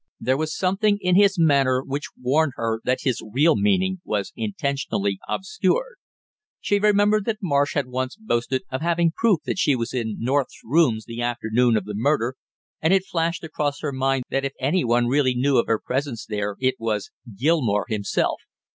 There was something in his manner which warned her that his real meaning was intentionally obscured. She remembered that Marsh had once boasted of having proof that she was in North's rooms the afternoon of the murder and it flashed across her mind that if any one really knew of her presence there it was Gilmore himself.